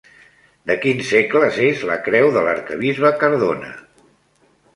De quins segles és la creu de l'arquebisbe Cardona?